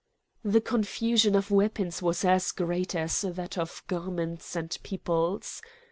The confusion of weapons was as great as that of garments and peoples.